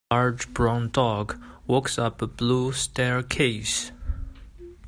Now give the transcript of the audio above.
Large brown dog walks up a blue staircase.